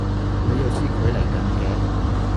你又知佢嚟緊嘅？